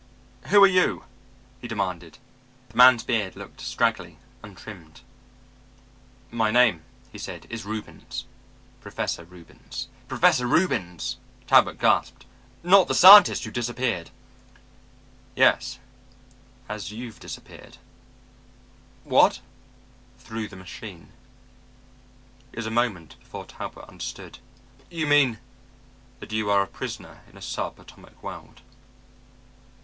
"Who are you?" he demanded. The man's beard looked straggly, untrimmed. "My name," he said, "is Reubens Professor Reubens." Professor Reubens! Talbot gasped. "Not the scientist who disappeared?" "Yes as you've disappeared." "What!" "Through the machine." It was a moment before Talbot understood. "You mean...." "That you are a prisoner in a sub atomic world."